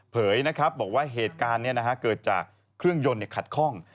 เผยนะครับบอกว่าเหตุการณ์เนี่ยนะฮะเกิดจากเครื่องยนต์ขัดข้อง